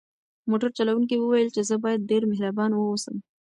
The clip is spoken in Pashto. موټر چلونکي وویل چې زه باید ډېر مهربان واوسم.